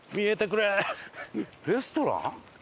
レストラン？